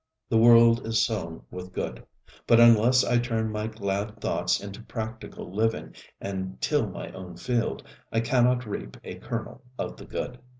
The world is sown with good; but unless I turn my glad thoughts into practical living and till my own field, I cannot reap a kernel of the good.